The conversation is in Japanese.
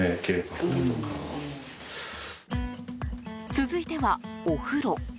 続いては、お風呂。